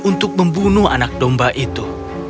untuk membunuh anak domba itu